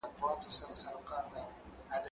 زه به اوږده موده کتابتون ته کتاب وړلی وم؟